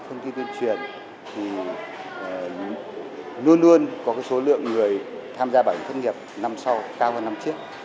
với cái tuyên truyền thì luôn luôn có cái số lượng người tham gia bảo hiểm thất nghiệp năm sau cao hơn năm trước